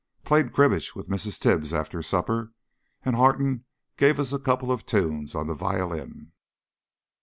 Played cribbage with Mrs. Tibbs after supper, and Harton gave us a couple of tunes on the violin.